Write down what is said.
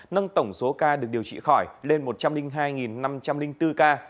nâng tổng số ca được điều trị khỏi lên một trăm linh hai năm trăm linh bốn ca